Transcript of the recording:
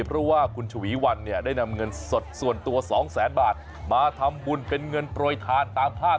เพราะว่าคุณฉวีวันเนี่ยได้นำเงินสดส่วนตัว๒แสนบาทมาทำบุญเป็นเงินโปรยทานตามภาพ